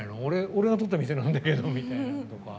俺が取った店なんだけどみたいな。